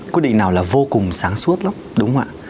quyết định nào là vô cùng sáng suốt lắm đúng không ạ